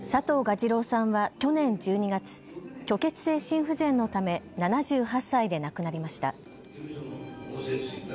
次郎さんは去年１２月、虚血性心不全のため７８歳で亡くなりました。